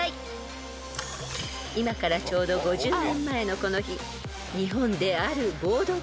［今からちょうど５０年前のこの日］